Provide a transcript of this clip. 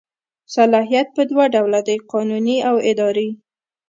صلاحیت په دوه ډوله دی قانوني او اداري.